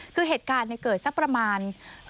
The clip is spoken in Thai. คือเหตุการณ์เกิดสักประมาณ